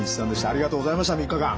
ありがとうございました３日間。